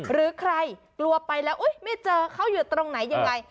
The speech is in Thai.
หรือใครกลัวไปแล้วอุ๊ยไม่เจอเขาอยู่ตรงไหนยังไง